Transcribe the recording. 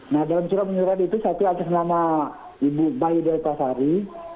nah dalam surat menyurat itu satu atas nama ibu bayu deltasari